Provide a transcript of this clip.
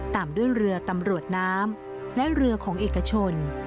ตามด้วยเรือตำรวจน้ำและเรือของเอกชน